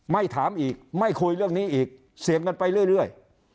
ไม่ถามอีกไม่คุยเรื่องนี้อีกเสี่ยงกันไปเรื่อย